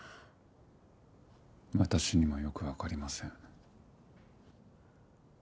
私にもよくわかりません。